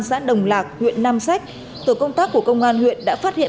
xã đồng lạc huyện nam sách tổ công tác của công an huyện đã phát hiện